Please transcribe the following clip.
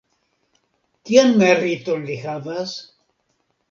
Kian meriton li havas?